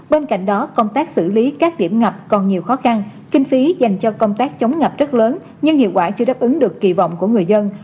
bên cạnh đó công tác xử lý các điểm ngập còn nhiều khó khăn kinh phí dành cho công tác chống ngập rất lớn nhưng hiệu quả chưa đáp ứng được kỳ vọng của người dân